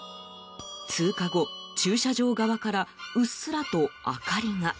通過後、駐車場側からうっすらと明かりが。